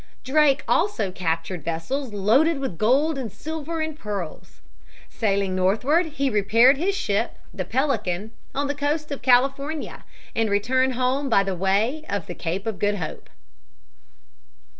Drake also captured vessels loaded with gold and silver and pearls. Sailing northward, he repaired his ship, the Pelican, on the coast of California, and returned home by the way of the Cape of Good Hope.